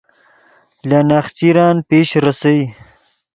لے نخچرن پیش ریسئے